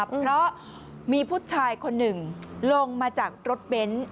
เพราะมีผู้ชายคนหนึ่งลงมาจากรถเบนท์